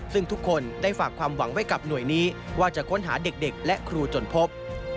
ซึ่งทุกคนได้ฝากความหวังไว้กับหน่วยนี้ว่าจะค้นหาเด็กและครูจนพบ